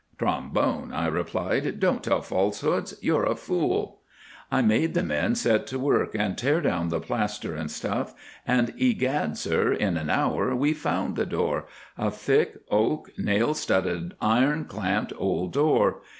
"'Trombone,' I replied, 'don't tell falsehoods—you're a fool.' "I made the men set to work and tear down the plaster and stuff, and, egad, sir, in an hour we found the door—a thick oak, nail studded, iron clamped old door.